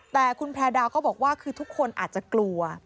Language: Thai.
แต่คุณแพร่ดาก็บอกว่าคือทุกคนอาจจะกลัว